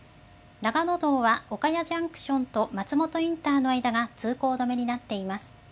長野道は岡谷ジャンクションと松本インターの間が通行止めになっています。